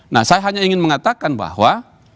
nah saya hanya ingin mengatakan bahwa